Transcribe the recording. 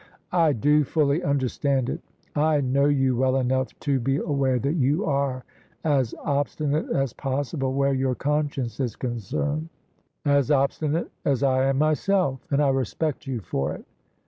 " I do fully understand it. I know you well enough to be aware that you are as obstinate as possible wher« your conscience is concerned: as obstinate as I am myself: and I respect you for it."